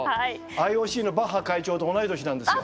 ＩＯＣのバッハ会長と同い年なんですよ。